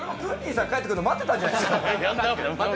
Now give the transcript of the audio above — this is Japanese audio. さん帰ってくるの待ってたんじゃないですか？